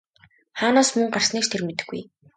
Хаанаас мөнгө гарсныг ч тэр мэдэхгүй!